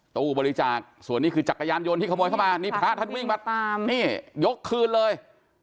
ตู้บริจาคส่วนนี้คือจักรยานยนต์ที่ขโมยเข้ามานี่พระท่านวิ่งมาตามนี่ยกคืนเลย